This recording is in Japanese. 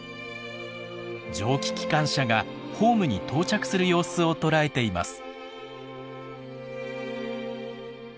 蒸気機関車がホームに到着する様子を捉えています。